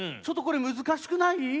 ちょっとこれむずかしくない？